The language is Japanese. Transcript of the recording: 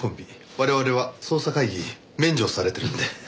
我々は捜査会議免除されてるんで。